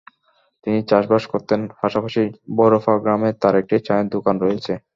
তিনি চাষবাস করতেন, পাশাপাশি ভৈরফা গ্রামে তাঁর একটি চায়ের দোকান রয়েছে।